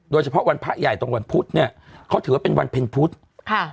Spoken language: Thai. โดยเฉพาะวันพระใหญ่ตรงวันพุธเนี่ยเขาถือว่าเป็นวันเพ็ญพุธค่ะ